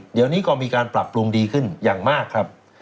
เดี๋ยวนี้ก็มีการปรับปรุงดีขึ้นอย่างมากครับ